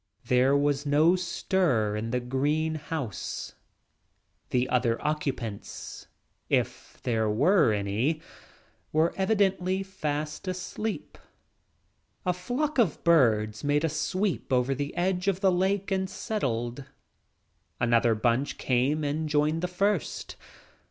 Their was no stir in the green ; The other occupants, if there were any, were evidently fast asleep. s A flock of birds made a sweep over the edge of the lake and settled. Another bunch came and joined the first.